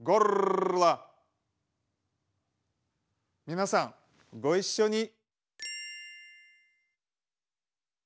皆さんご一緒に。